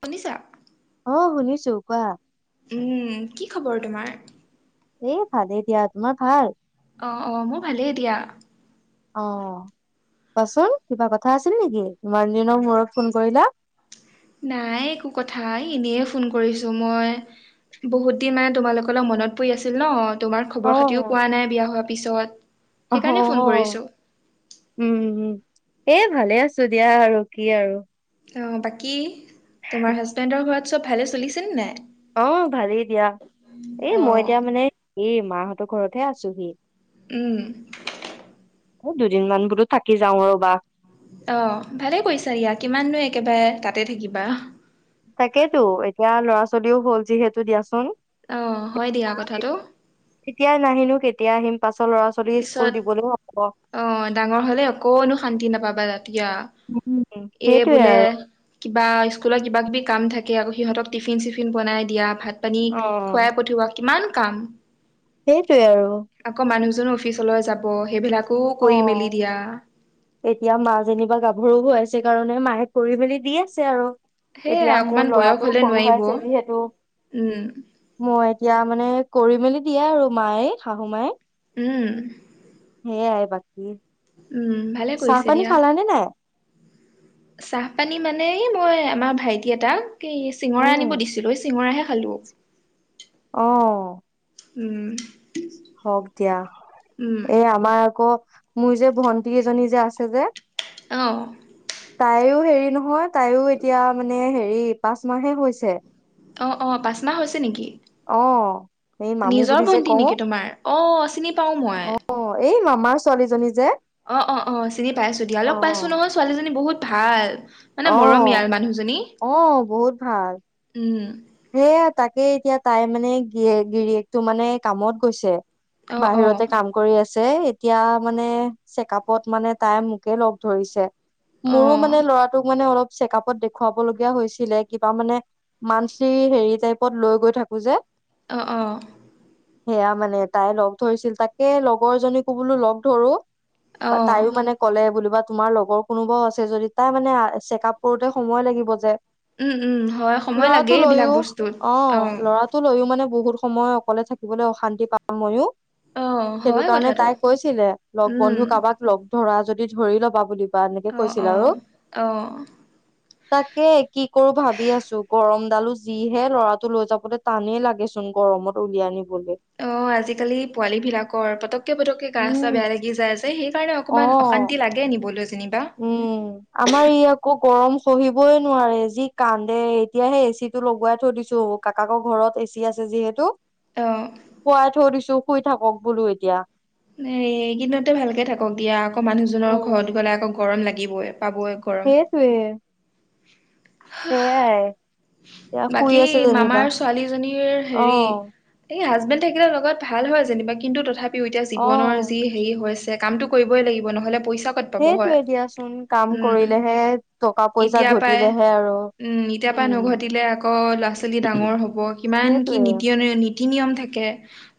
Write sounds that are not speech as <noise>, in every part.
শুনিছা অ শুনিছো কোৱা উম কি খবৰ তোমাৰ এই ভালেই দিয়া তোমাৰ ভাল অ অ মোৰ ভালেই দিয়া অ কোৱাচোন কিবা কথা আছিল নেকি ইমান দিনৰ মূৰত ফোন কৰিলা নাই একো কথা এই এনেই ফোন কৰিছোঁ মই বহুত দিন মানে তোমালোকলৈ মনত পৰি আছিল ন তোমাৰ খবৰ অ খাতিও পোৱা নাই বিয়া হোৱাৰ পিছত অ হ অ সেইকাৰণে ফোন কৰিছোঁ। উম এ ভালে আছো দিয়া আৰু কি আৰু অ বাকী তোমাৰ হাজবেণ্ডৰ ঘৰত চব ভালে চলিছে নে নাই অ ভালেই দিয়া এই মই অ'। এতিয়া মানে এই মাহঁতৰ ঘৰতহে আছোহি উম এ দুদিনমান বোলো থাকি যাওঁ ৰ'বা অ ভালেই কৰিছা দিয়া কিমাননো একেবাৰে তাতে থাকিবা তাকেইতো এতিয়া ল'ৰা ছোৱালীও হল যিহেতু দিয়াচোন অ হয় দিয়া কথাটো এতিয়াই নাহিনো কেতিয়া আহিম পাছত ল'ৰা ছোৱালী পিছত স্কুল দিবলৈও হ'ব অ ডাঙৰ হ'লে অকনো শান্তি নাপাবা তেতিয়া উম এই সেইটোয়ে বোলে আৰু কিবা স্কুলৰ কিবা কিবি কাম থাকে আকৌ সিহঁতক টিফিন চিফিন বনাই দিয়া ভাত পানী অ খুৱাই পঠিওৱা কিমান কাম সেইটোৱে আৰু আকৌ' মানুহজনো অফিচলৈ যাব সেইবিলাক অ' এতিয়া মা যেনিবা গাভৰু হৈ আছে কাৰণে মায়ে কৰি মেলি দি আছে আৰু। সেয়াই এতিয়া অকমান মোৰ বয়স লৰাটো হলে সৰু হৈ নোৱাৰিব আছে যিহেতু- উম মই এতিয়া মানে, কৰি মেলি দিয়ে আৰু মায়ে শাহু মায়ে। উম সেইয়াই বাকী। উম ভালে চাহ কৰিছে পানী দিয়া খালা নে নাই। চাহ পানী মানে এই মই আমাৰ ভাইটি এটা এই চিঙৰা উম আনিব দিছিলোঁ এই চিঙৰাহে খালো। অ' উম হওক দিয়া উম এইয়া আমাৰ আকৌ মোৰ যে ভন্টি এজনী যে আছে যে অ তাইও হেৰি নহয় তাইও এতিয়া মানে হেৰি পাঁচ মাহে হৈছে। অ অ পাঁচমাহ হৈছে নেকি অ এই মামু নিজৰ বুলি যে ভন্টি কওঁ নেকি তোমাৰ অ চিনি পাও মই অ' এই মামাৰ ছোৱালীজনী যে। অ', অ', অ', চিনি পাইছো দিয়া। অ লগ পাইছো নহয় ছোৱালীজনী বহুত ভাল। মানে অ মৰমীয়াল মানুহজনী অ উম। হেইয়া তাকে এতিয়া তাইৰ মানে গিৰীয়েক টো কামত গৈছে অ অ বাহিৰতে কাম কৰি আছে, এতিয়া মানে চেকআপত মানে তাই মোকে লগ ধৰিছে। অ মোৰো মানে ল'ৰাটোক মানে অলপ চেকআপত দেখুৱাবলগীয়া হৈছিলে। কিবা মানে মান লি হেৰি টাইপত লৈ গৈ থাকো যে। অঁ, অঁ। সেইয়া মানে তাই লগ ধৰিছিল, তাকে লগৰ জনী কো বোলো লগ ধৰো। অ বা তাইও মানে- ক'লে বুলিবা তোমাৰ লগৰ কোনোবাও আছে যদি তাইৰ মানে চেক আপ কৰোতে সময় লাগিব যে। উম, উম, হয় সময় লাগে। টো এইবিলাক লৈয়ো, বস্তুত অ' ল'ৰাটো টো লৈও মানে বহুত সময় অকলে থাকিবলৈ অশান্তি পাওঁ ময়ো। অ সেইটো হয় কাৰণে কথাটো তাই কৈছিলে, লগ উম বন্ধু কাৰোবাক লগ ধৰা যদি ধৰি ল'বা বুলি। বা এনেকে অ কৈছিল অ আৰু, অ তাকে কি কৰো ভাবি আছো। গৰম ডালো যিহে ল'ৰাটো লৈ যাবতে টানেই লাগেচোন গৰমত উলিয় আনিবলৈ। অ' আজিকালি পোৱালী বিলাকৰ পতককে পতককে গা চাহ বেয়া উম লাগি যায় যে, সেই কাৰণে অ অকমান অশান্তি লাগে। এই নিবলৈ যেনিবা। উম আমাৰ ই আকৌ গৰম সহিবই নোৱাৰে যি কান্দে। এতিয়া হেই এ চি টো লগোৱাই থৈ দিছোঁ। কাকাকৰ ঘৰত এ চি আছে যিহেতু। অঁ শুৱাই থৈ দিছো শুই থাকক বোলো এতিয়া। এ এইকেদিনতে ভালকে থাকক দিয়া। আকৌ' মানুহজনৰ উম ঘৰত গ'লে আকৌ' গৰম লাগিবই পাবই। গৰম সেই তোৱে। সেইয়াই। এতিয়া শুই বাকী আছে যেনিবা মামাৰ ছোৱালীজনীৰ অ হেৰী এই হাজবেণ্ড থাকিলে লগত ভাল হয় যেনিবা। কিন্তু তথাপিও এতিয়া অ জীৱনৰ যি হেৰি হৈছে, কামতো কৰিবই লাগিব নহ'লে পইচা ক'ত পাব হয় সেইটয়ে দিয়াচোন, কাম উম কৰিলেহে টকা পইচা এতিয়া পাই ঘটিলেহে আৰু। উম এতিয়া উম নঘটিলে আকৌ ল'ৰা ছোৱালী ডাঙৰ হ'ব কিমান কি সেইটোৱে নিতী তী নিয়ম থাকে,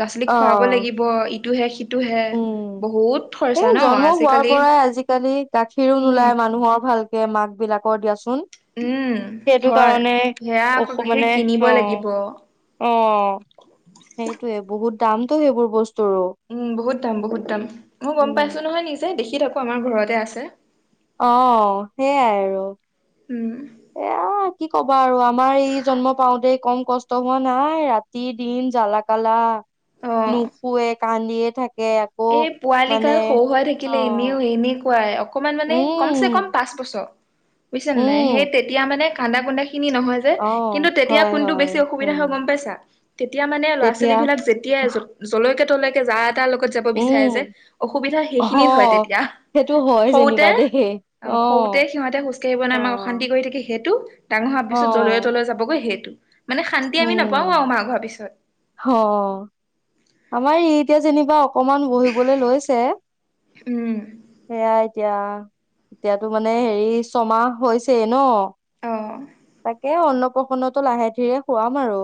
ল'ৰা ছোৱালীক অ খুৱাব লাগিব ইটো হে সিটো হে। এ জন্ম হোৱাৰ পৰাই আজিকালি গাখীৰো উম নোলায় মানুহৰ ভাল মাক বিলাকৰ দিয়াচোন। উম সেইটো হয় কাৰণে সেয়া আকৌ অসু গাখীৰ মানে কিনিব অ'। লাগিব অ' সেইটোৱে, বহুত দামতটো সেইবোৰ বস্তুৰো। উম, বহুত দাম বহুত দাম। মই গ'ম উম পাইছো নহয় নিজে দেখি থাকো আমাৰ ঘৰতে আছে। অ' সেইয়াই আৰু। উম। এইয়া কি ক'বা আৰু আমাৰ ই জন্ম পাওতে কম কষ্ট হোৱা নাই। ৰাত তি দিন জালা কালা, অ নুশুৱে কান্দিয়ে থাকে। আকৌ এ পোৱালি গাল মানে সৰু অ থাকিলে এনেও এনেকুৱাই। অকমান মানে কম চে কম উম পাঁচ বছৰ বুজিছা নাই, সেই উম তেতিয়া মানে কান্দা কুন্দা খিনি নহয়। অ কিন্তু তেতিয়া হয় কোনটো হয় বেছি অসুবিধা উম হয় গ'ম পাইছা, তেতিয়া মানে ল'ৰা ছোৱালী তেতিয়া বিলাক যেতিয়াই জলৈকে তলেকে যা এটাৰ লগত যাব উম বিচাৰে যে অসুবিধা অ সেইখিনি হয় তেতিয়া। সেইটো হয় সউতে যেনিবা দেই অ সউতে সিহঁতে খোজ কঢ়িব নোৱাই অ আমাক অশান্তি কৰি থাকেহি। সেইটো ডাঙৰ হোৱাৰ অ পিছত জলে তলে যাবগৈ সেইটো মানে শান্তি আমি নাপাও আউ মাক হোৱাৰ পিছত। হ। আমাৰ ই এতিয়া যেনিবা অকমান বহিবলে লৈছে উম সেয়াই। এতিয়া এতিয়াতো মানে হেৰি ছমাহ হৈছেই ন। অঁ। তাকে অন্নপ্ৰসন্নতো লাহে ধীৰে খোৱাম আৰু।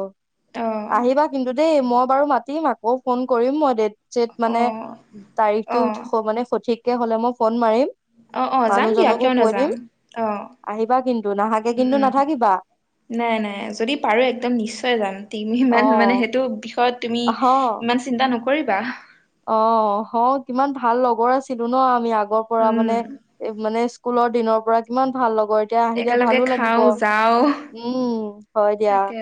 অ আহিবা কিন্তু দেই মই বাৰু মাতিম আকৌ ফোন কৰিম মই দেত। ছেট অ মানে অ তাৰিখটো মানে সঠিককে হলে মই ফোন মাৰিম। অ অ যাম দিয়া মানুহজনকো কিয় কৈ দিম নাযাম অ আহিবা কিন্তু নহাকে উম কিন্তু উম নাথাকিবা। নাই নাই যদি পাৰো একদম নিশ্চয় যাম টিমি ইমান মানে সেইটো বিষয়ত তুমি। অ। ইমান চিন্তা নকৰিবাহ। অ হ কিমান ভাল লগৰ আছিলো ন আমি আগৰ পৰা উম মানে। এ মানে স্কুলৰ দিনৰ পৰা কিমান ভাল লগৰ এ। তিয়া আহিলে একেলগে ভালো লাগিব খাওঁ যাওঁ উম হয় দিয়া তাকে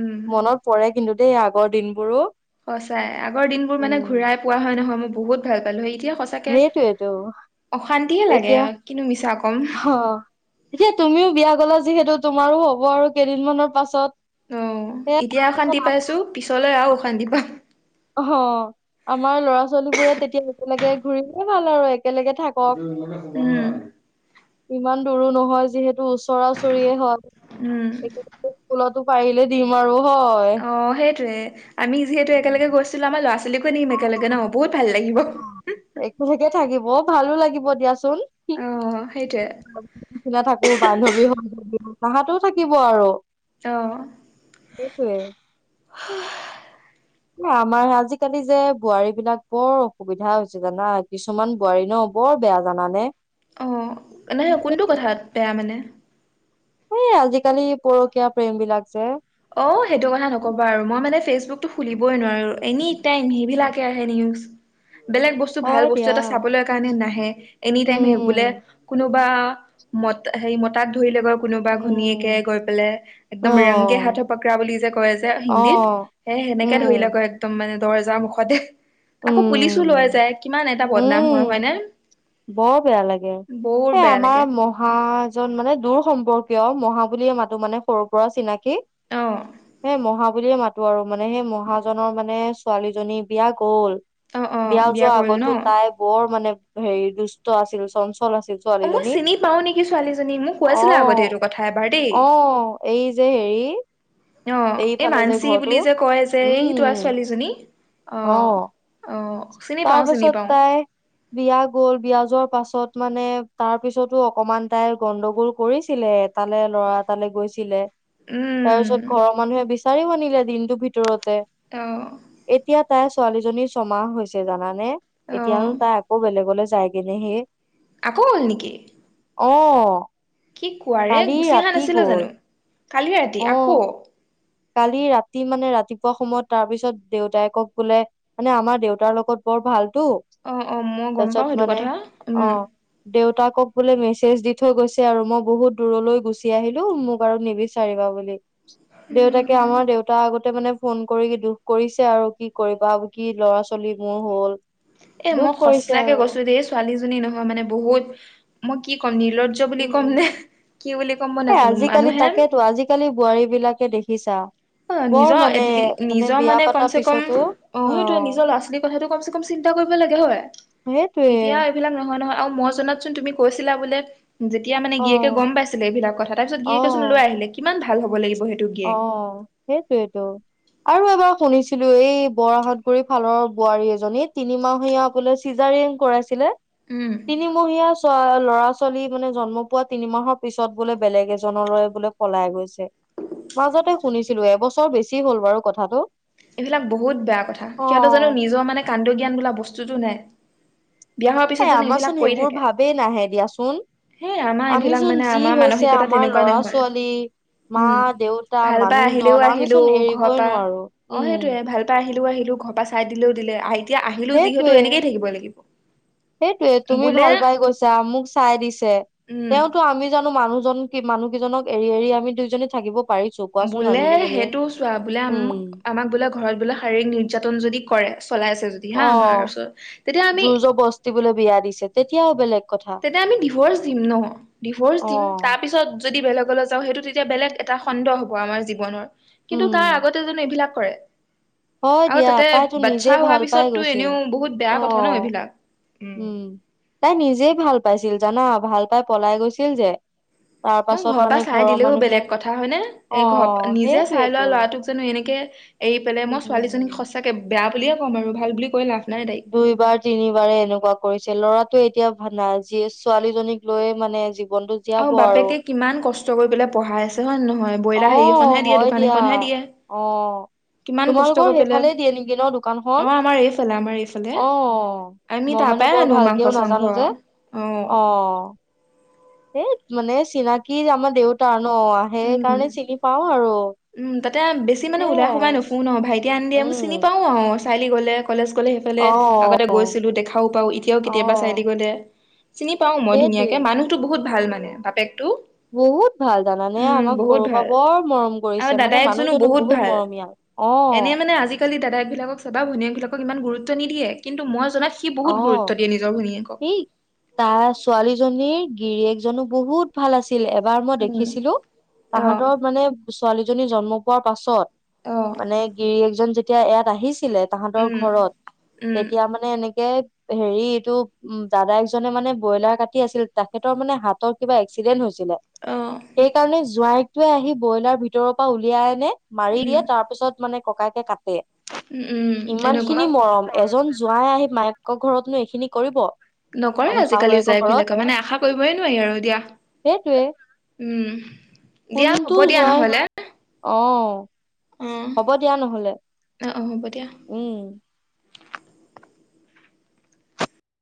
উম মনত। পৰে কিন্তু দেই আগৰ দিনবোৰো। সঁচাই আগৰ দিনবোৰ মানে ঘূৰাই পোৱা হয় নহয় মই বহুত ভাল পালো সেই এতিয়া সঁচ। তাকে সেইটোয়েতো অশান্তিহে লাগে এতিয়া কিনু মিছা কম। অ এতিয়া তুমিও বিয়া গলা যিহেতু তোমাৰো হ'ব আৰু কেইদিনমানৰ পাছত। অ সেয়া এতিয়া তাৰপাছত অশান্তি পাইছো পিছলৈ আউ অশান্তি পাম। অ হ আমাৰ লৰা ছোৱালী বোৰে তেতিয়া একেলগে ঘুৰিলে ভাল আৰু একেলগে থাক। উ। ইমান দূৰো নহয় যিহেতু ওচৰা ওচৰিয়ে উম হয়। স্কুলতো পাৰিলে দিম আৰু হয়। অ সেইটোয়ে আমি যিহেতু একেলগে গৈছিলো আমাৰ ল'ৰা ছোৱালীকো নিম একেলগে ন বহুত ভাল লাগিব। একে লগে থাকিব ভালো লাগিব দিয়াচোন। অ সেইটোৱে নিচিনা থাকো বান্ধৱী হৈ তাহাঁাতো থাকিব আৰু। <inaudible> নিচিনা থাকো বান্ধৱী হৈ তাহতো থাকিব আৰু। <inaudible> ত। সেইটোৱে। এ আমাৰ আজিকালি যে বোৱাৰী বিলাক বৰ অসুবিধা হৈছে জানা কিছুমান বোৱাৰী ন। বৰ বেয়া জানানে? অ', মানে, কোনটো কথাত বেয়া মানে? এই আজিকালি পৰকীয়া প্ৰেম বিলাক যে। অ, সেইটো কথা নকবা আৰু, মই মানে ফেচবুক টো খুলিবই নোৱাৰোঁ, এনিটাইম সেইবিলাকেই আহে নিউছ বেলেগ বচ স্তু ভাল হয় বস্তু দিয়া এটা চাবলৈ কাৰণে নাহে, এনি টাইম সেই বোলে উম কোনোবা মত হেৰি মতাক ধৰিলেগৈ কোনোবা ঘনীয়েকে উম গৈ পেলাই, অ একদম ৰঙ্গে হাত থ পকৰা বুলি যে কয় যে অ হিন্দীত, সেই সেনেকে উম ধৰিলেগৈ একদম মানে দৰ্জাৰ মুখতে। আকৌ পুলিচো লয় উম যায়, কিমান এটা বদনাম হয় উম হয়নে? বৰ বৌৰ বেয়া লাগে। মহা এজন মানে দূৰসম্পৰ্কীয়, মহা বুলিয়েই মাতো মানে সৰু পৰা চিনাকি, অ' সেই মহা বুলিয়ে মাতো আৰু মানে সেই মহাজনৰ মানে ছোৱালীজনীৰ বিয়া গ'ল। অ' অ' বিয়া যোৱাৰ কৰিল আগতো ন? তাই বৰ মানে হেৰি দুষ্ট আছিল, চঞ্চল আছিল। অ মই ছোৱালীজনী, চিনি পাও নেকি ছোৱালীজনীক মোক কৈছিলে আগতে অ' এইটো কথা এবাৰ দেই অ' এই যে হেৰি অ' এই এইফালে যে মানসী ঘৰটো বুলি যে কয় যে এই <unintelligible> উম ছোৱালীজনী, অ'। অ' চিনি পাও চিনি তাৰপাছত পাও তাই বিয়া গ'ল, বিয়া যোৱাৰ পাছত মানে তাৰ পিছতো অকমান তাই গণ্ডগোল কৰিছিলে। তালে ল'ৰা এটালৈ গৈছিলে। উম তাৰপিছত ঘৰৰ মানুহে বিচাৰিও আনিলে দিনটোৰ ভিতৰতে। অ'। এতিয়া তাইৰ ছোৱালীজনী ছমাহ হৈছে জানানে? অ এতিয়ানো তাই আকৌ বেলেগলে যায়গে নে হেই। আকৌ গ'ল নেকি? অ'। কি কোৱা ৰে কালি গুচি অহা ৰাতি নাছিলে গ'ল জানো, কালি ৰাতি অ', আকৌ? কালি ৰাতি মানে ৰাতিপুৱা সময়ত তাৰ পিছত দেউতায়েকক বোলে মানে আমাৰ দেউতাৰ লগত বৰ ভালতো অ অ মই গম পাও তাৰপিছত সেইটো মানে কথা উম অ' দেউতাকক বোলে মেছেজ দি থৈ গৈছে আৰু মই বহুত দূৰলৈ গুচি আহিলোঁ মোক আৰু নিবিচ নিবিচাৰিবা বুলি, দেউতাকে আমাৰ দেউ দেউতাৰ আগতে মানে ফোন কৰি দুখ কৰিছে আৰু কি কৰিবা? কি ল'ৰা-ছোৱালী মোৰ হ'ল। এই দুখ মই কৰিছে সঁচাকে আৰু কৈছোঁ দেই এই ছোৱালীজনী নহয় মানে বহুত মই কি ক'ম নির্লজ্জ নির্লজ্জ বুলি ক'ম নে, উম, কি বুলি মই এ নাজানোঁ আজিকালি মানুহে তাকেতো আজিকালি বোৱাৰী বিলাকে দেখিছা অ', বৰ নিজৰ মানে এট লি‌ নিজৰ বিয়া মানে কম পাতাৰ চে কম পিছতো অ' সেইটোৱে অ', নিজৰ ল'ৰা-ছোৱালী কথাটো কম চে কম চিন্তা কৰিব লাগে হয়। সেইটোৱেই। এতিয়া এইবিলাক নহয় নহয় আৰু মই জনাত চোন তুমি কৈছিলা বোলে যেতিয়া মানে গিৰিয়েকে অ', গম পাইছিলে এইবিলাক কথা তাৰপিছত গিৰিয়েকে চোন লৈ অ', আহিলে, কিমান ভাল হ'ব লাগিব সেইটো। গিৰিয়েক অ', সেইটোৱেইটো। আৰু এবাৰ শুনিছিলো এই বৰাহাতগুৰি ফালৰ বোৱাৰী এজনী তিনিমহীয়া বোলে চিজাৰিন কৰাইছিলে উম তিনিমহীয়া চোৱা ল'ৰা-ছোৱালী মানে জন্ম পোৱা তিনি মাহৰ পিছত বোলে বেলেগ এজনলৈ বোলে পলাই গৈছে। মাজতে শুনিছিলো এবছৰ বেছি হ'ল বাৰু কথাটো। এইবিলাক বহুত বেয়া কথা‌ সিহঁতৰ জানো অ', নিজৰ মানে কাণ্ডজ্ঞান বোলা বস্তুতো নাই। বিয়া হোৱাৰ পিছত এ জানো আমাৰচোন এইবিলাক কৰি সেইবোৰ থাকে। ভাবেই নাহে দিয়াচোন। সেই আমাৰ এইবিলাক আমিচোন মানে যি আমাৰ হৈছে মানসিকতা আমাৰ তেনেকুৱা ল'ৰা নহয়। ছোৱালী মা উম দেউতা ভাল পাই মানুহজন আহিলেও আহিলোঁ আমিচোন ঘৰ এৰিবই পা নোৱাৰো অ' উম, সেইটোৱে ভাল পাই আহিলোঁ আহিলোঁ ঘৰ পৰা চাই দিলেও দিলে এতিয়া আহিলো যিহেতু এনেকেই থাকিব লাগিব। সেইটোৱে তুমি বোলে ভাল পাই গৈছা মোক চাই দিছে। উম তেওঁটো আমি জানো মানুহজন কি মানুহ কেইজনক এৰি এৰি আমি দুইজনী থাকিব পাৰিছো কোৱাচোন বোলে আমি দুজনীয়ে সেইটো চোৱা বোলে উম আমাক বোলে ঘৰত বোলে শাৰীৰিক নিৰ্যাতন যদি কৰে চলাই আছে যদি অ হা' আমাৰ ওচৰত তেতিয়া আমি যি বোলো বিয়া দিছে তেতিয়াও বেলেগ কথা তেতিয়া আমি ডিভৰ্চ দিম ন' ডিভৰ্চ অ দিম তাৰ পিছত যদি বেলেগলৈ যাওঁ সেইটো তেতিয়া বেলেগ এটা খণ্ড হ'ব আমাৰ জীৱনৰ। কিন্তু তাৰ উম আগতে জানো এইবিলাক কৰে। হয় আৰু দিয়া তাতে তাইতো নিজে বাচ্ছা ভাল হোৱাৰ পাই পিছততো গৈছিল এনেও বহুত অ বেয়া কথা ন এইবিলাক। উম' তাই নিজেই ভাল পাইছিল জানা, ভাল পাই পলাই গৈছিল যে। তাৰ মই পাছত ঘৰৰ পা মানে চাই দিলেও মানুহে বেলেগ কথা হয়নে, অ এই ঘৰ নিজে চাই সেইটোৱেতো লোৱা ল'ৰাটোক। জানো এনেকে এৰি পেলাই মই উম ছোৱালীজনীক সঁচাকে বেয়া বুলিয়ে কওঁ বাৰু, ভাল বুলি কৈ লাভ নাই তাইক। দুই বাৰ, তিনিবাৰে এনেকুৱা কৰিছে, ল'ৰাটোৱে এতিয়া নাৰ্জী, ছোৱালীজনীক লৈয়ে মানে জীৱনটো আৰু বাপেকে কিমান কষ্ট কৰি পেলাই পঢ়াই আছে হয় নহয়। অ ব্ৰইলাৰ হেৰিখনহে দিয়ে, হয় দোকান দিয়া এখনহে দিয়ে। অ কিমান কষ্ট তোমালোকৰ কৰি পেলে, সেইফালে দিয়ে নেকি ন অ' দোকানখন আমাৰ এইফালে আমাৰ এইফালে। অ আমি মই মানে তাপাই বৰ আনো ভালকেও মাংস নাজানো চাংস, যে অ'। এই মানে চিনাকি আমাৰ দেউতাৰ ন', আহে উম। কাৰণে চিনি পাওঁ আৰু উম' তাতে বেছি মানে ওলাই সোমাই সেইয়াই নুফুৰো ন', ভাইটি আনি দিয়ে মই উম চিনি পাওঁ আও। চাৰিআলি গ'লে কলেজ গ'লে সেইফালে অ আগতে গৈছিলো দেখাও পাওঁ, এতিয়াও অ কেতিয়াবা চাৰআলি গ'লে চিনি পাওঁ মই সেইটোৱে ধুনীয়াকে, মানুহটো বহুত ভাল মানে বাপেকটো। বহুত ভাল। জানানে উম আমাক বহুত সৰু পা ভাল বৰ মৰম আৰু কৰিছে, মানে দাদায়েকজনো মানুহজনো বহুত ভাল মৰমীয়াল। এনে অ' মানে আজিকালি দাদাইক বিলাকক চাবা, ভনীয়েকবিলাকক ইমান গুৰুত্ব নিদিয়ে, কিন্ত মই জনাত সি বহুত গুৰুত্ব অ', দিয়ে নিজৰ ভনীয়েকক। সেই তাৰ ছোৱালীজনীৰ গিৰিয়কজনো বহুত ভাল আছিল। ছিল, এবাৰ মই উম দেখিছিলো, অহ তাঁহতৰ মানে ছোৱালীজনী জন্ম পোৱাৰ পাছত। অহ মানে গিৰিয়েক জন যেতিয়া ইয়াত আহিছিলে, তাঁহতৰ উম ঘৰত, উম তেতিয়া মানে এনেক হেৰি এইটো উম দাদাইক জনে মানে ব্ৰইলাৰ কাটি আছিল। তেখেতৰ মানে হাতত কিবা এক্সিডেন্ট হৈছিলে, অহ সেইকাৰণে জোৱাইকটোৱে আহি ব্ৰইলাৰ ভিতৰৰ পৰা উলিয়াই আনে মাৰি উম দিয়ে, তাৰ পিছত মানে ককায়কে কাটে, উম উম ইমান খিনি এনেকুৱা মৰম। এজন জোৱাই আহি মায়েকৰ ঘৰতনো এইখিনি কৰিব। নকৰে আহ আজিকালি শাহুৱেকৰ জোৱাইক ঘৰত বিলাকে, মানে আশা কৰিবই নোৱাৰি আৰু দিয়া। সেইটোৱে উম' দিয়া কোনটো হ'ব দিয়া জোঁৱাই নহলে। অ অ হ'ব দিয়া নহলে, অ হ'ব দিয়া উম'।